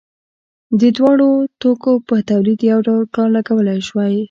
د دواړو توکو په تولید یو ډول کار لګول شوی دی